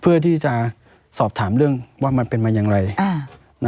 เพื่อที่จะสอบถามเรื่องว่ามันเป็นมาอย่างไร